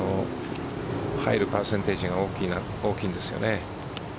入るパーセンテージが大きいんですよね。